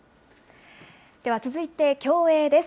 では続いて、競泳です。